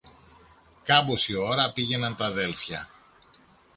Κάμποση ώρα πήγαιναν τ' αδέλφια.